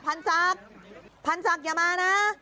ภรรณศักดิ์ภรรณศักดิ์อย่ามาน่ะ